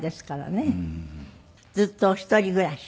ずっとお一人暮らし？